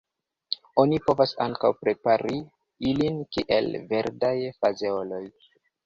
Oni povas ankaŭ prepari ilin kiel verdaj fazeoloj.